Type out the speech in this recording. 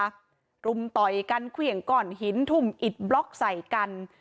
กลุ่มต่อยกันเครื่องก้อนหินทุ่มอิดบล็อกใส่กัน